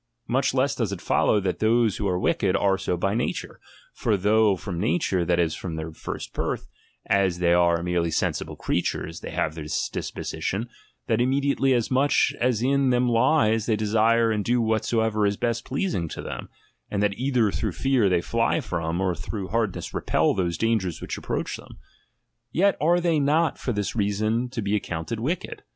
Much less does it follow, that those who are wicked, are so by nature. For though from nature, that is, from their first birth, as they are merely sensible creatures, they have this disposition, that immediately as much as in them lies they desire and do whatsoever is best pleasing to them, and that either through fear they fly from, or through hardness repel those dangers which approach them ; yet are they not for this reason to be accounted wicked.